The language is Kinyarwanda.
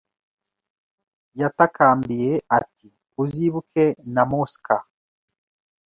Yatakambiye ati Uzibuke na Mosca